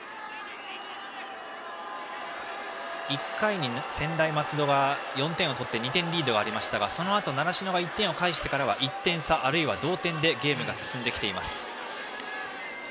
１回に専大松戸は４点を取って２点リードがありましたがそのあと習志野が１点を返してからは１点差、あるいは同点でゲームが進んできています。